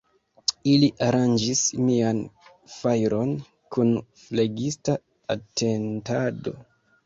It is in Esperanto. Ili aranĝis mian fajron kun flegista atentado.